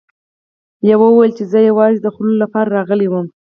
لیوه وویل چې زه یوازې د خوړو لپاره راغلی وم.